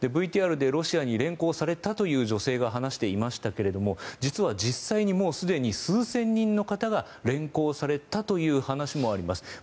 ＶＴＲでロシアに連行されたという女性が話していましたけれども実は実際に、もうすでに数千人の方が連行されたという話もあります。